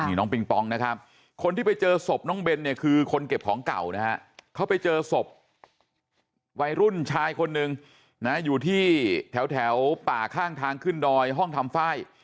นี่น้องปิงปองนะครับคนที่ไปเจอศพน้องเบนเนี่ยคือคนเก็บของเก่านะฮะเขาไปเจอศพวัยรุ่นชายคนหนึ่งนะอยู่ที่แถวป่าข้างทางขึ้นดอยห้องทำไฟล์